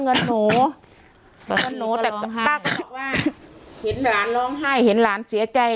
เงินหนูเงินหนูแต่ป้าก็บอกว่าเห็นหลานร้องไห้เห็นหลานเสียใจ